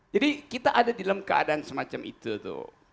jadi kita ada di dalam keadaan semacam itu tuh